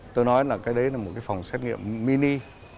tôi nói là cái đấy là một cái phòng xét nghiệm mini